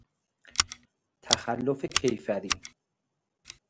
تخلف کیفری